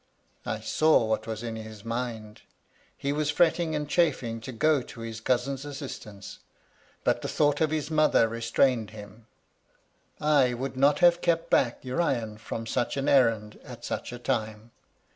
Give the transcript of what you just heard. " I saw what was in his mind. He was frettmg and chafing to go to his cousin's assistance ; but the thought of his mother restrained him. I would not have kept back Urian fi om such an errand at such a time.